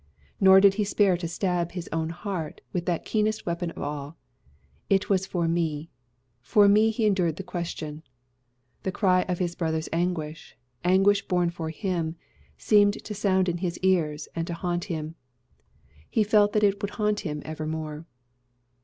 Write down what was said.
Nor did he spare to stab his own heart with that keenest weapon of all "It was for me; for me he endured the Question." The cry of his brother's anguish anguish borne for him seemed to sound in his ears and to haunt him: he felt that it would haunt him evermore.